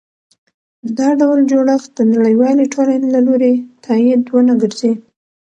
دا ډول جوړښت د نړیوالې ټولنې له لوري تایید ونه ګرځي.